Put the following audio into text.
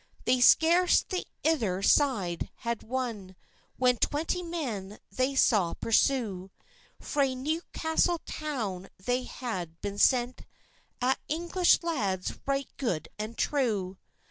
They scarce the ither side had won, When twenty men they saw pursue; Frae Newcastle town they had been sent, A' English lads right good and true.